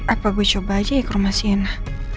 apa gue coba aja ya ke rumah sienna